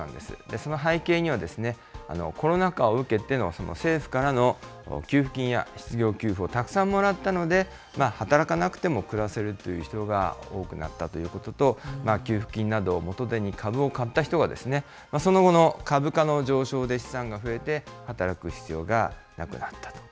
その背景にはコロナ禍を受けての政府からの給付金や失業給付をたくさんもらったので、働かなくても暮らせるという人が多くなったということと、給付金などを元手に株を買った人が、その後の株価の上昇で資産が増えて、働く必要がなくなったと。